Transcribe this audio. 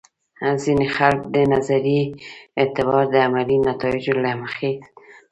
ځینې خلک د نظریې اعتبار د عملي نتایجو له مخې سنجوي.